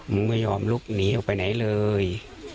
มึงไม่ยอมลุกหนีออกไปไหนเลย